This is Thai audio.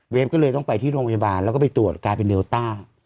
ก็เลยต้องไปที่โรงพยาบาลแล้วก็ไปตรวจกลายเป็นเดลต้า